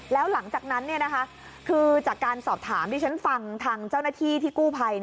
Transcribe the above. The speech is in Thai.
แล้วหลังจากนั้นคือจากการสอบถามที่ฉันฟังทางเจ้าหน้าที่ที่กู้ภัย